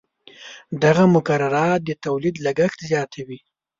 دغه مقررات د تولید لګښت زیاتوي.